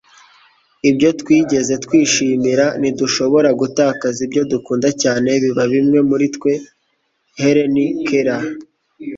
ibyo twigeze kwishimira ntidushobora gutakaza ibyo dukunda cyane biba bimwe muri twe - helen keller